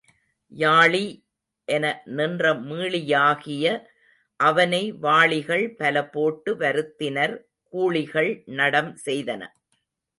யாளி என நின்ற மீளியாகிய அவனை வாளிகள் பல போட்டு வருத்தினர் கூளிகள் நடம் செய்தன.